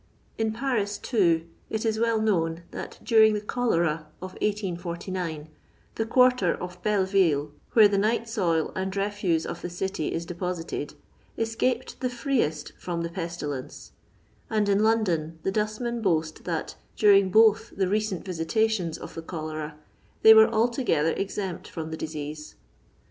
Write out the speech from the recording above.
In Paris, too, it is well known, that, during the cho lera of 1849, the quarter of Belleville, where the night soil and refuse of the city is deposited, escaped the freest firom the pestilence; and in London the dustmen boast tbaty during both the recent visitations of the cholera, they were alto gether exempt from the disease.